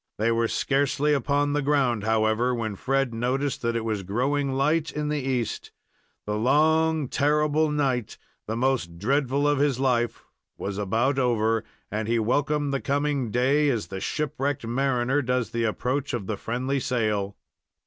They were scarcely upon the ground, however, when Fred noticed that it was growing light in the east. The long, terrible night, the most dreadful of his life, was about over, and he welcomed the coming day as the shipwrecked mariner does the approach of the friendly sail.